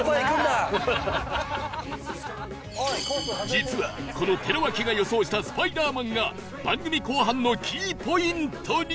実はこの寺脇が予想したスパイダーマンが番組後半のキーポイントに！